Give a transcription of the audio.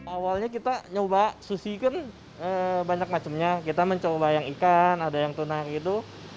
awalnya kita nyoba sushi kan banyak macamnya kita mencoba yang ikan ada yang tuna gitu